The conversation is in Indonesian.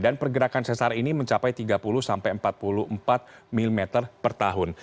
dan pergerakan sesar ini mencapai tiga puluh empat puluh empat mm per tahun